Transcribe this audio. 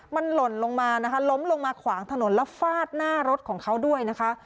มันหล่นลงมานะคะล้มลงมาขวางถนนแล้วฟาดหน้ารถของเขาด้วยนะคะ